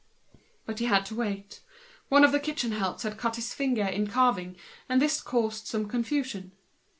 But he had to wait; one of the kitchen helps had cut his finger in carving, and this caused some confusion.